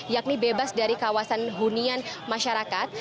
yakni bebas dari kawasan hunian masyarakat